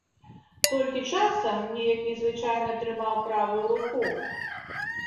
Толькі часам неяк нязвычна трымаў правую руку.